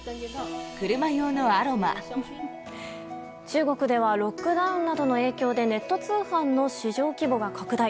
中国ではロックダウンなどの影響でネット通販の市場規模が拡大。